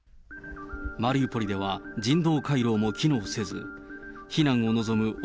マリウポリでは、人道回廊も機能せず、避難を望む